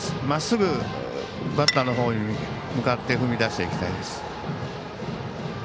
まっすぐバッターのほうに向かって踏み出していきたいです。